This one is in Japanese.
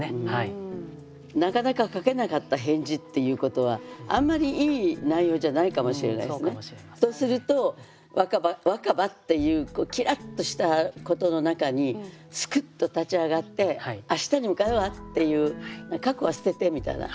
なかなか書けなかった返事っていうことはあんまりいい内容じゃないかもしれないですね。とすると「若葉」っていうきらっとしたことの中にすくっと立ち上がって明日に向かうわっていう過去は捨ててみたいな。